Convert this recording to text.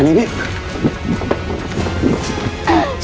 ผมไม่สวยแล้ว